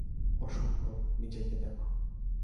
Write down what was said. অসম্ভব, নিজেকে দেখ!